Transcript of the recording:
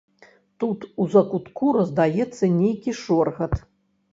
Тут у закутку раздаецца нейкі шоргат.